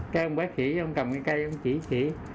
cái ông bác sĩ ông cầm cái cây ông chỉ chỉ